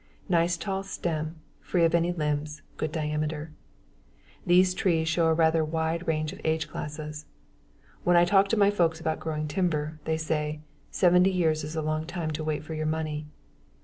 Nice tall stem, free of any limbs, good diameter. These trees show a rather wide range of age classes. When I talk to my folks about growing timber, they say "70 years is a long time to wait for your money."